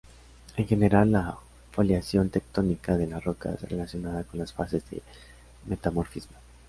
Es general la foliación tectónica de las rocas, relacionada con las fases de metamorfismo.